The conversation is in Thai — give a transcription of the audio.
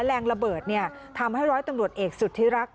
แรงระเบิดทำให้ร้อยตำรวจเอกสุธิรักษ